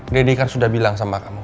deddy kan sudah bilang sama kamu